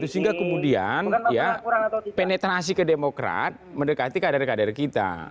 sehingga kemudian ya penetrasi ke demokrat mendekati kader kader kita